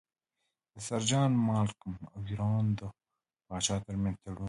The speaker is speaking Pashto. د سر جان مالکم او ایران د پاچا ترمنځ تړون.